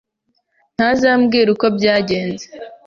ntazambwira uko byagenze.